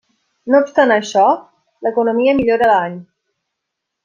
No obstant això, l'economia millora any.